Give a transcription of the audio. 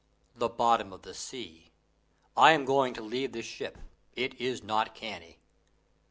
"The bottom of the sea. I am going to leave this ship. It is not canny."